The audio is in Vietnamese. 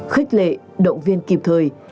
khích lệ động viên kịp thời